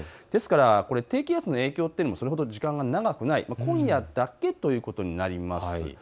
ですから低気圧の影響といっても時間がそれほど長くない、今夜だけということになります。